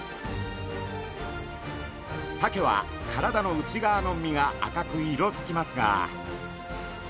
サケは体の内側の身が赤く色づきますが。